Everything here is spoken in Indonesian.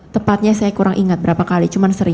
tepatnya saya kurang ingat berapa kali